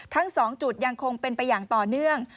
ทั้ง๒จุดยังคงเป็นไปอย่างต่อเนื่อง